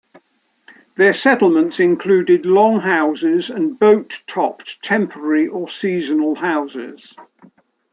Their settlements included longhouses, and boat-topped temporary or seasonal houses.